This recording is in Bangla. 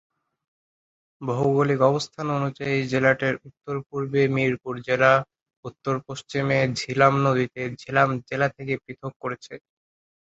ভৌগোলিক অবস্থান অনুযায়ী জেলাটির উত্তরপূর্বে মিরপুর জেলা, উত্তর-পশ্চিমে ঝিলাম নদীকে ঝিলাম জেলা থেকে পৃথক করেছে।